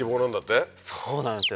そうなんですよ